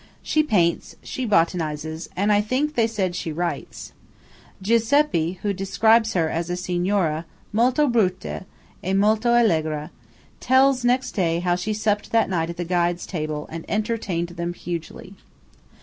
She paints, she botanises, and I think they said she writes. Giuseppe, who describes her as a Signora "molto brutta e molto allegra," tells next day how she supped that night at the guides' table, and entertained them hugely.